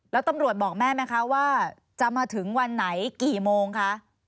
แล้วตำรวจบอกแม่ไหมคะว่าจะมาถึงวันไหนกี่โมงคะ